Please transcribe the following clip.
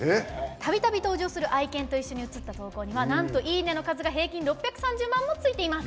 たびたび登場する愛犬と一緒に写った投稿にはなんと「いいね！」の数が平均６３０万もついています。